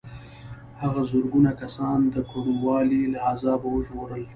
هغه زرګونه کسان د کوڼوالي له عذابه وژغورل.